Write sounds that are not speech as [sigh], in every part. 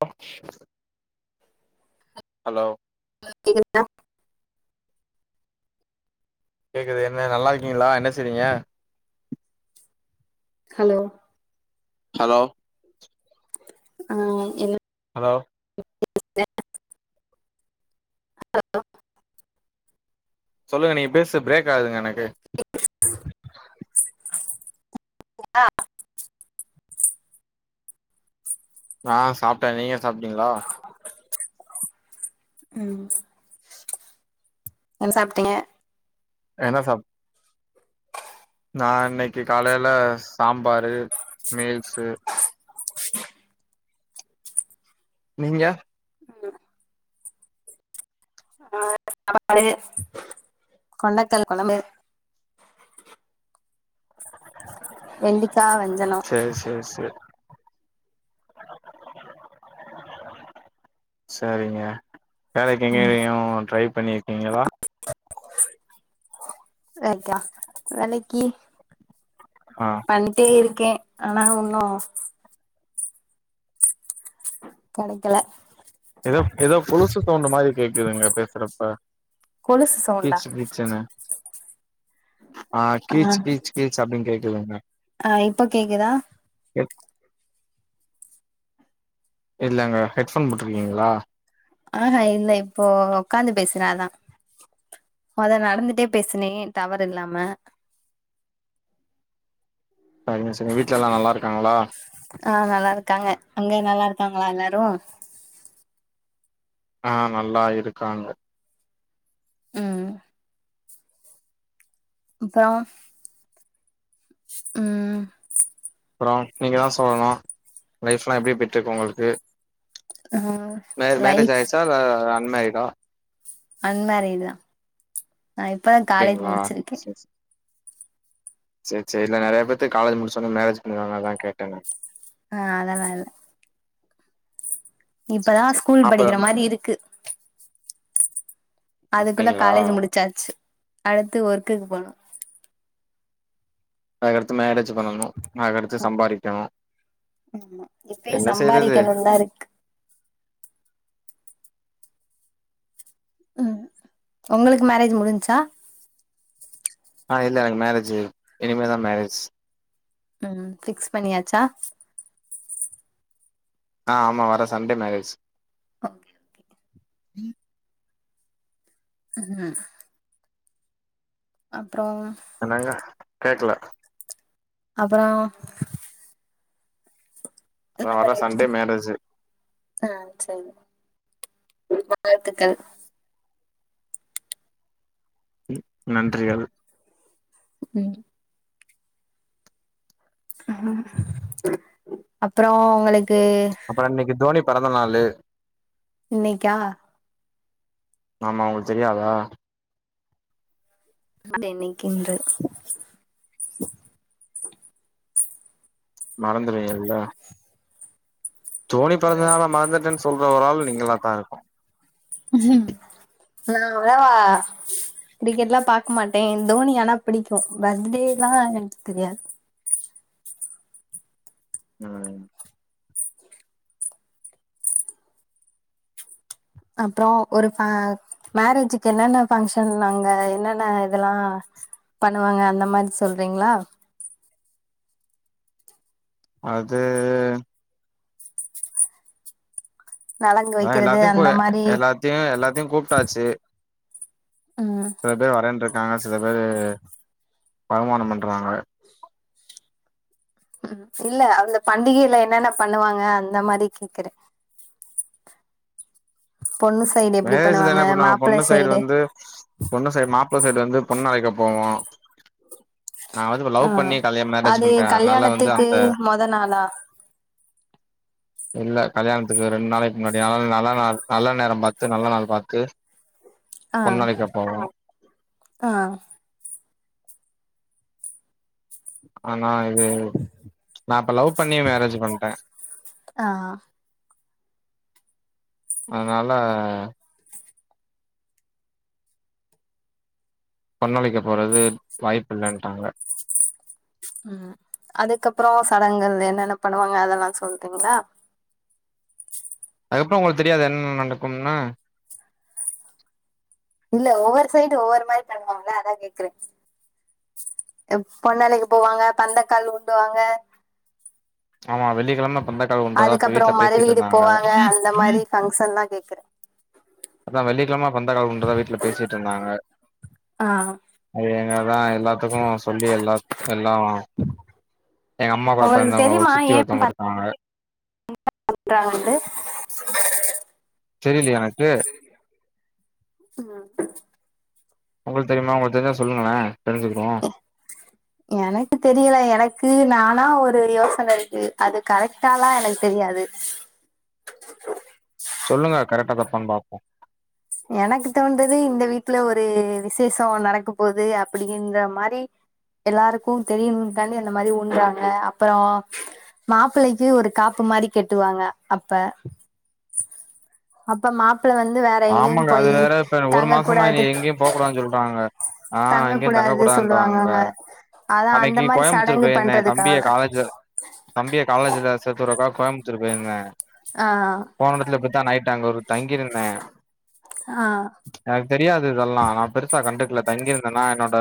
பப் hello ஆ கேக்குதுங்ளா கேக்குது என்ன நல்லா இருக்கீங்ளா என்ன செய்றீங்க ஹலோ ஹலோ ஆ என்ன ஹலோ அலோ சொல்லுங்க நீங்க பேஸ்ரது பிரேக் ஆகுதுங்க எனக்கு ஆ சாப்ட்டே நீங்க சாப்ட்டீங்ளா ம் என்ன சாப்ட்டீங்க என்ன சாப் நா இன்னைக்கு காலேல சாம்பாரு மீல்ஸு நீங்க சாப்பாடு கொண்டக்கல்ல கொழம்பு வெண்டிக்கா வெ சேரி சேரி சேரி செரிங்க வேலைக்கு எங்கேயு ட்ரை பண்ணிருக்கீங்களா வேலிக்கா வேலைக்கி ஆ பண்ணிட்டே இருக்கே ஆனா உன்னு கெடைக்கல எதோ எதோ கொலுசு சவுண்டு மாரி கேக்குதுங்க பேசுறப்ப கொலுசு சவுண்டா கீச்சு கீ ச்சினு ஆ கீச் கீச் கீச் அப்டின் கேக்குதுங்க ஆ இப்ப கேக்குதா இல்லங்க ஹெட்ஃபோன் போட்ருக்கீங்ளா ஆ ஆ இல்ல இப்போ உக்காந்து பேசுறே அதா மொத நடந்துட்டே பேசுனே டவர் இல்லாம செரிங்க செரிங்க வீட்ல எல்லா நல்லா இருக்காங்களா ஆ நல்லா இருக்காங்க அங்க நல்லா இருக்காங்களா எல்லாரு ஆ நல்லா இருக்காங்க ம் அப்றோ ம் அப்றோ நீங்க தா சொல்ணு லைஃப்லா எப்டி போய்ட்ருக்கு உங்களுக்கு ஆ மே மேரேஜ் லைஃப் ஆயிருச்சா இல்ல அன்மேரிடா அன்மேரிடு தா நா இப்பதா காலேஜ் அப்டிங்களா முடிச்சிருக்கே சேரி சேரி இல்ல நெறைய பேர்த்துக் காலேஜ் முடிச்சோன்னே மேரேஜ் பண்ணீவாங்க அதா கேட்டே நா ஆ அதல்லா இல்ல இப்பதா சேர் சேரி ஸ்கூல் அப்ப படிக்கிற மாரி இருக்கு அதுக்குள்ள அப்டிங்களா காலேஜ் முடிச்சாச்சு அடுத்து ஒர்க்குக்கு போனு அதுகடுத்து மேரேஜ் பண்ணணு அதுகடுத்து சம்பாரிக்கணு என்ன செய்றது நல்லாருக்கு ம் உங்களுக்கு மேரேஜ் முடிஞ்ச்சா ஆ இல்ல எனக்கு மேரேஜு இனிமே தா மேரேஜ் ம் ஃபிக்ஸ் பண்ணியாச்சா அ ஆமா வர சண்டே மேரேஜ் ஓகே ஓகே அ அப்றோ என்னங்க கேக்கல அப்றோ என்ன ஆ வர சண்டே பண்ணீட்ருக்கீங் மேரேஜு ஆ செரி நல்வாழ்த்துக்கள் ம் நன்றிகள் ம் அ அப்றோ உங்களுக்கு அப்றோ இன்னக்கி தோனி பெறந்த நாளு இன்னைக்கா ஆமா உங்களுக்கு தெரியாதா [inaudible] இன்னைக்கின்ற மறந்துருவீங்கில்ல தோனி பொறந்தனால மறந்துட்டேன் சொல்ற ஒராள் நீங்களா தா இருக்கு [unintelligible] கிரிக்கெட் எல்லா பாக்க மாட்டே தோனி ஆனா பிடிக்கு பர்த்டேல்லா எனக் தெரியாது ம் அப்றோ ஒரு ஃபே மேரேஜுக்கு என்னென்ன ஃபங்க்ஷன் நாங்க என்னென்ன இதெல்லா பணுவாங்க அந்த மாரி சொல்றீங்களா அது நலங்கு ஆ வக்கறது எல்லாத்தையு கூ அந்த மாதிரி எல்லாத்தையு எல்லாத்தையு கூப்ட்டாச்சு ம் சில பேர் வரையண்ருக்காங்க சில பேர் வருமானம் பண்றாங்க இல்ல அந்த பண்டிகையில என்னென்ன பணுவாங்க அந்த மாதிரி கேக்கற பொண்ணு சைடு எப்டி மேரேஜ்ல பண்ணுவாங்க என்ன பணுவாங்க மாப்ள பொண்ணு சைடு வந்து பொண்ணு சைடு மாப்பிள சைடு வந்து பொண்ண அலைக்க போவோ நா வந்து லவ் ஆ பண்ணி கல்ய மேரேஜ் அது பண்ட்ட அதனால வந்து கல்யாணத்துக்கு அந்த மொத நாளா இல்ல கல்யாணத்துக்கு ரெண்டு நாளைக்கு முன்னாடி ந நல்ல நாள் நல்ல நேர பாத் து நல்ல நாள் பாத்து ஆ பொண்ணு அழைக்க போவோ ஆ ஆனா இது நா இப்ப லவ் பண்ணி மேரேஜ் பணிட்டே ஆ அதனால பொண்ணளிக்க போறது வாய்ப் இல்லன்ட்டாங்க ம் அதுக்கப்றோ சடங்கள் என்னென்ன பணுவாங்க அதெல்லா சொல்றீங்ளா அதுக்கப்றோ உங்களுக்கு தெரியாதா என்னென்னா நடக்குன்னு இல்ல ஒவ்வொரு சைடு ஒ்வ்வொரு மாதிரி பன்வோம்ல அதா கேக்கேற பொண்ணளைக்க போவாங்க பந்தக்கால் உண்டுவாங்க ஆமா வெளி கிழம பந்தக்கால் வுன்றதா இப்ப அதுக்கப்புறோ வீட்டுல பேசிட்டு மறுவீடு இருந்தாங்க போவாங்க அந்த மாரி ஃபங்க்ஷன்லா கேக்குறே அதா வெள்ளிக்கிழம பந்த கால உன்றதா வீட்டுல பேசிட்டு இருந்தாங்க ஆ அது என்னாதா எல்லா த்துக்கு சொல்லி எல்லா எல்லா எங்க அம்மா கூட உங்களுக்கு பொறந்த தெரியுமா ஏ வங்கயிருக்காங்க யாரான்ட தெரியலையா எனக்கு ம் உங்களுக்கு தெரியுமா உங்களுக்கு தெரிஞ்சா சொல்லுங்கலே தெரிஞ்சுக்றோ எனக்கு தெரியல எனக்கு நானா ஒரு யோசனை இருக்கு அது கரெக்டாலா எனக்கு தெரியாது சொல்லுங்க கரெக்டா தப்பானு பாப்போ எனக்கு தோன்றது இந்த வீட்ல ஒரு விசேஷ நடக்க போகுது அப்டின்ற மாரி எல்லாருக்கு தெரியணும் தான இந்த மாரி உண்றாங்க அப்றோ மாப்பிள்ளைக்கு ஒரு காப்பு மாரி கெட்டுவாங்க அப்ப அப்ப மாப்பிள்ள வந்து வேற எங்கேயு ஆமாங்க போய் அது வேற இப்ப ஒரு தங்க மாசமா நீ கூடாது எங்கேயு போக்கூடாதனு சொல்றாங்க ஆ எங்கயு தங்க கூடாது சொல்லுவாங்கங்க கூடாதுறாங்களே அதா அந்த அன்னக்கி மாரி கோயம்புத்தூர் சடங்கு போயிருந்தே தம்பிய பண்றதுக்காக காலேஜ்ல தம்பிய காலேஜ்ல செத்துறக்கா கோயம்புத்தூர் போயிருந்தே ஆ போன இடத்துல இப்படித்தா நைட்டு ஒரு தங்கிரு ஆ எனக் தெரியாது இதெல்லா நா பெருசா கண்டுக்ல தங்கிருந்தேன்னா என்னோட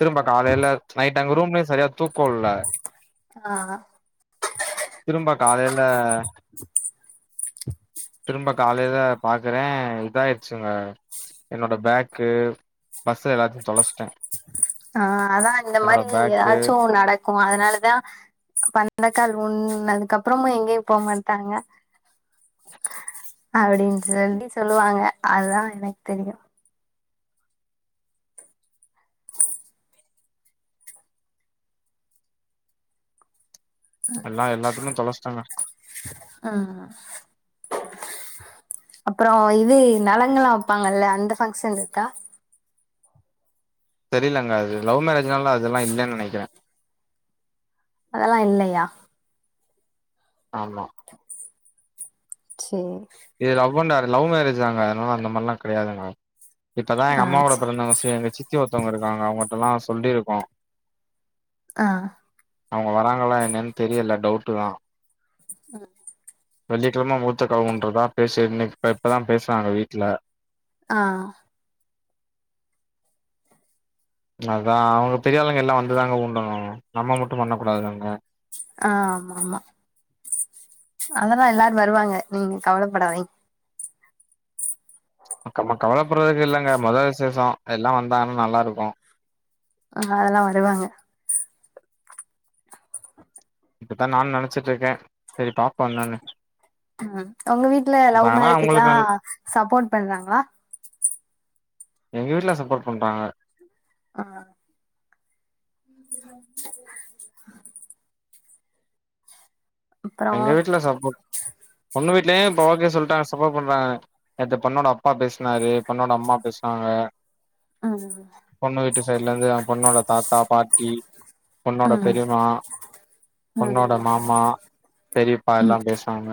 திரும்ப காலைல நைட்டு் அங்க ரூம்லயு சரியா தூக்கோல்ல ஆ திரும்ப காலைல திரும்ப காலைல பாக்குறே இதாய்ட்ச்சுங்க என்னோட ஃபேக்கு ஃபர்ஸ் எல்லாத்தயு தொலச்சிட்டே ஆ அதா இந்த மாரி பேக்கு ஏதாச்சு ஒன் நடக் க்கு அதனாலதா பந்தக்கால் ஊண்ணதுக்கப்றமா எங்கேயு போ மாட்டாங்க அப்டின்னு சொல்லி சொல்லுவாங்க அதுதா எனக்கு தெரியு எல்லா எல்லாத்தமே தொலச்ட்டங்க ஆ அப்றோ இது நலங்கலா வப்பாங்கல்ல அந்த ஃபங்க்ஷன் இருக்கா தெரிலங்க அது லவ் மேரஜ்னால அதெல்லா இல்லன் நெனக்கிறே அதெல்லா இல்லையா? ஆமா செரி இது லவ்வண் லவ் மேரஜ் தாங்க அதனால அந்த மாரிலா கெடயாதுங்க இப்பதா எங்க ஆ அம்மாவோட சே பிறந்தவங்க சி எங்க சித்தி ஒருத்தவங்க இருக்காங்க அவுங்கிட்டல்லா சொல்லிருக்கோ ஆ அவுங்க வராங்களா என்னன்னு தெரியல டவுட்டு தா ம் வெள்ளிக்கெழம மூர்த்தக்கால் ஊன்றதா பேசு இன்னிக் இப்ப இப்பதா பேசுனாங்க வீட்ல ஆ அதா அவுங்க பெரியாளுங்கல்லா வந்துதாங்க ஊண்டணூ நம்ம மட்டு பண்ணகூடாதுல்லங்க ஆ ஆமா ஆமா அதெல்லா எல்லாரூ வருவாங்க நீங்க கவலப்படாதீங்க நம்ம கவலப்படறதுக்குல்லங்க மொத விசேஷோ எல்லா வந்தாங்கன்னா நல்லாருக்கூ ஆ அதெலா வருவாங்க அப்டிதா நானு நெனச்சிட்டுருக்கே செரி பாப்போ இன்னான்னு ம் ஒங்க வீட்ல லவ் மேரேஜக்குலா அவங்களுக்கு நல் சப்போர்ட் பண்றாங்களா? எங்கவீட்ல சப்போர்ட் பண்றாங்க ஆ [inaudible] அப்றோ எங்க வீட்ல சப்போட் பொண்ணு வீட்லயு இப்ப ஓகே சொல்லிட்டாங் ச சப்போர்ட் பண்றாங்க நேத்து பொண்ணோட அப்பா பேசினாரு பொண்ணோட அம்மா பேசுனாங்க ஆ பொண்ணு வீட்டு சைட்ல இருந்து அ பொண்ணோட தாத்தா பாட்டி பொண்ணோட ம் பெரிம்மா பொண்னோட ம் மாமா பெரியப்பா எல்லா பேசுவாங்க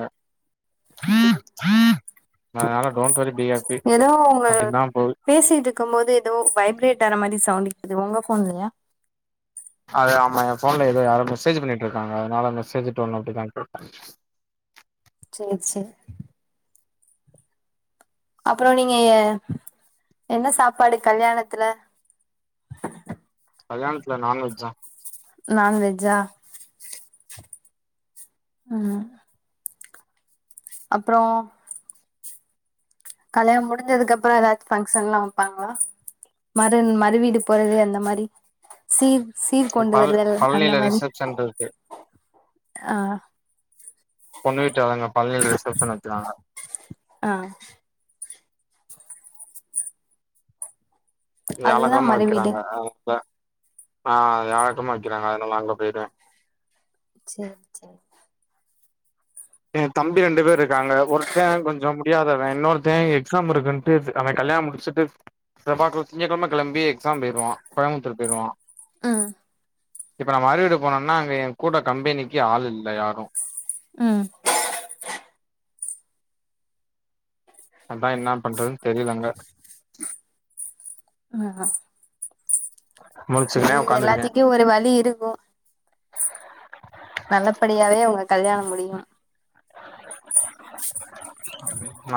அதனால டோண்ட்வொரி ஃபி ஹேப்பி அப்டின்தா போது பேசிகிட்டுருக்கு போது ஏதோ வைப்ரேட் ஆற மாரி சவுண்ட் கேட்டுது ஒங்க ஃபோன்லயா? அது ஆமா எ போன்ல ஏதோ யாரோ மெசேஜ் பண்ணிட்டுருக்காங்க அதனால மெசேஜிடோன் அப்டிதா கேக்கூ செரி செரி அப்றோ நீங்க எ என்ன சாப்பாடு கல்யாணத்துல கல்யாணத்ல நான்வெஜ்ஜா நான்வெஜ்ஜா? ம் அப்றோ கல்யணோ முடிஞ்சதுக்கப்றோ எதாச்சு ஃபங்க்ஷன்லா வெப்பாங்களா? மறுன் மறு வீட்டுக் போறது அந்த மாரி சீர் சீர் கொண்டு பழ வருதல் அந்த பழனில மாரி ரிசப்ஷன் இருக்கு ஆ பொண்ணு வீட்டு ஆளுங்க பழனில ரிசப்ஷன் வெக்கிறாங்க ஆ வியாழக் அதுதா கெழம மறுவீடு வெக்கிறாங்க அவுங்க ஆ வியாழக் கெழம வெக்கிறாங்க அதனால அங்க போயிருவே சேர் சேர் எ தம்பி ரெண்டு பேர் இருக்காங்க ஒருத்த கொஞ்சோ முடியாதவே இன்னொர்த்தே எக்ஸாம் இருக்குன் ட்டு அவே கல்யாண முடிச்சிட்டு செவ்வா கெ திங்க கெழம கெளம்பி எக்ஸாம் போயிருவா கோயம்புத்தூர் போயிருவா ம் இப்ப நா மறுவீடு போனேன்னா அங்கே எ கூட கம்பெனிக்கு ஆள் இல்ல யாரு அ அதா என்னா பண்றதுன் தெரியிலங்க ஆ முழிச்சுக்கினே சேரி உக்காந்துருக்கே எல்லாத்திக்கு ஒரு வழி இருக்கு நல்லபடியாவே உங்க கல்யாணம் முடியு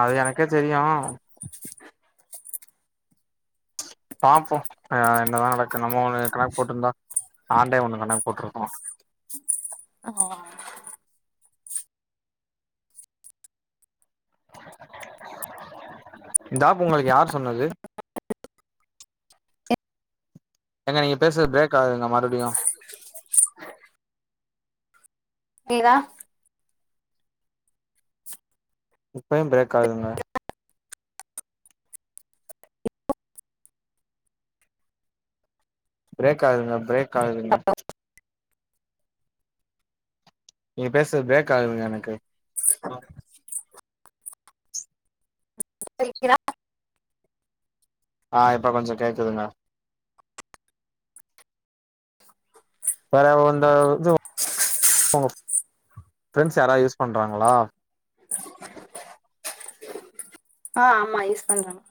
அது எனக்கே தெரியு பாப்போ அ என்னதா நடக்கு நம்ம ஒன்று கணக் போட்ருந்தா ஆண்டவே ஒன்னு கணக் போட்ருப்பா ஆ இந்த ஆப் உங்களுக்கு யார் சொன்னது ஏங்க நீங்க பேசுறது பிரேக் ஆகுதுங்க மறுப்டியு கேக்குதா இப்பையு பிரேக் ஆகுதுங்க பிரேக் ஆகுதுங்க பிரேக் ஆகுதுங்க நீங்க பேசுறது பிரேக் ஆகுதுங்க எனக்கு [inaudible] ஆ இப்ப கொஞ்ச கேக்குதுங்க வேற இந்த இது உங்க ஃப்ரெண்ட்ஸ் யாரா யூஸ் பண்றாங்ளா அ ஆமா யூஸ் பண்றாங்